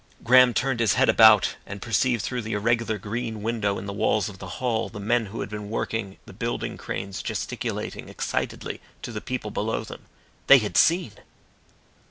Graham turned his head about and perceived through the irregular green window in the walls of the hall the men who had been working the building cranes gesticulating excitedly to the people below them. They had seen!